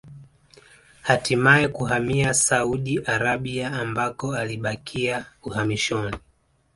Hatimae kuhamia Saudi Arabia ambako alibakia uhamishoni